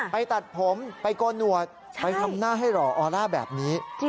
ไปตัดผมไปโกนหนวดไปทำหน้าให้หล่อออร่าแบบนี้